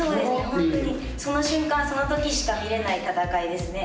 その瞬間そのときしか見れない戦いですね